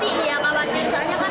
supaya nggak sampai terkena virus